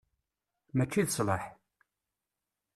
Mačči d sslaḥ.